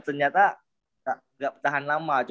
ternyata gak tahan lama